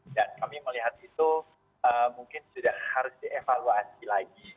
dan kami melihat itu mungkin sudah harus dievaluasi lagi